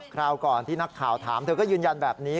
คราวก่อนที่นักข่าวถามเธอก็ยืนยันแบบนี้